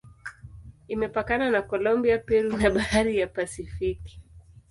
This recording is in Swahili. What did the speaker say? Imepakana na Kolombia, Peru na Bahari ya Pasifiki.